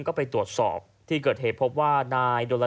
ก็ไปตรวจสอบที่เกิดเหตุพบว่า